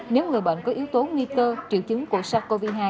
nếu người bệnh có yếu tố nguy cơ triệu chứng của sars cov hai